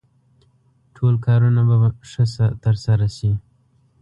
ټول کارونه به ښه ترسره شي.